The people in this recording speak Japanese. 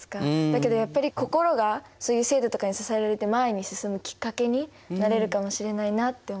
だけどやっぱり心がそういう制度とかに支えられて前に進むきっかけになれるかもしれないなって思いました。